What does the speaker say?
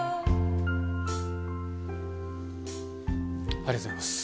ありがとうございます。